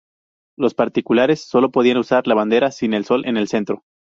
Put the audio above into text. Los particulares solo podían usar la bandera sin el sol en el centro.